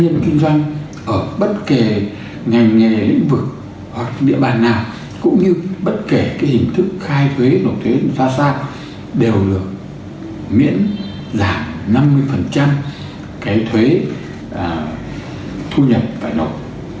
chúng ta thích rằng là các cái hộ kinh doanh ở bất kể ngành nghề lĩnh vực hoặc địa bàn nào cũng như bất kể cái hình thức khai thuế nộp thuế xa xa đều được miễn giảm năm mươi cái thuế thu nhập phải nộp